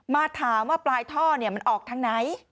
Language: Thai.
มาถามว่าปลายท่อเนี่ยมันออกทั้งไหน